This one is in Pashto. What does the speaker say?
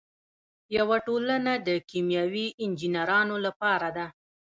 یوه ټولنه د کیمیاوي انجینرانو لپاره ده.